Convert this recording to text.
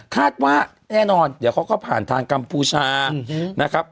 คาดว่าแน่นอนเดี๋ยวเขาก็ผ่านทางกัมพูชานะครับ